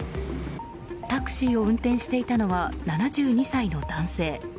タクシーを運転していたのは７２歳の男性。